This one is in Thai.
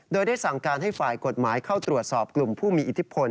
โดยได้สั่งการให้ฝ่ายกฎหมายเข้าตรวจสอบกลุ่มผู้มีอิทธิพล